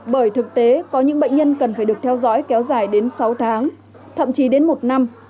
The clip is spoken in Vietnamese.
bởi thực tế có những bệnh nhân cần phải được theo dõi kéo dài đến sáu tháng thậm chí đến một năm